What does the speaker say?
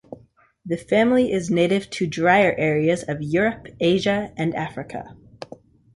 The family is native to drier areas of Europe, Asia, and Africa.